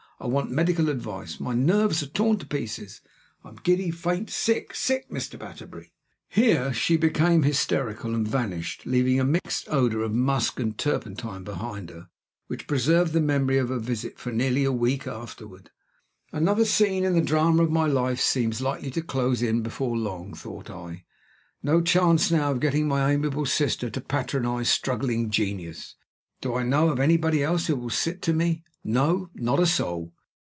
I want medical advice. My nerves are torn to pieces. I'm giddy, faint, sick SICK, Mr. Batterbury!" Here she became hysterical, and vanished, leaving a mixed odor of musk and turpentine behind her, which preserved the memory of her visit for nearly a week afterward. "Another scene in the drama of my life seems likely to close in before long," thought I. "No chance now of getting my amiable sister to patronize struggling genius. Do I know of anybody else who will sit to me? No, not a soul.